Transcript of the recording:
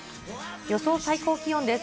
予想最高気温です。